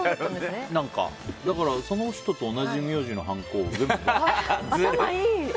だからその人と同じ名字のはんこを頭いい！